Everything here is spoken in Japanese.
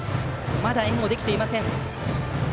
まだ援護できていません。